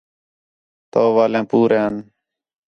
تَو والیاں پوریان